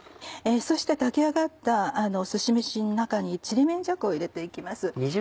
そして炊き上がったすし飯の中にちりめんじゃこを入れていきます。